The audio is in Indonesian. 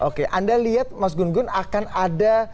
oke anda lihat mas gun gun akan ada